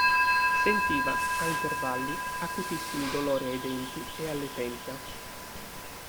Sentiva, a intervalli, acutissimi dolori ai denti e alle tempia.